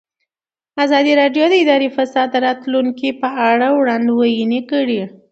ازادي راډیو د اداري فساد د راتلونکې په اړه وړاندوینې کړې.